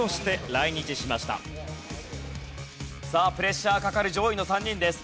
さあプレッシャーかかる上位の３人です。